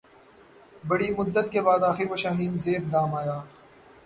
بڑی مدت کے بعد آخر وہ شاہیں زیر دام آیا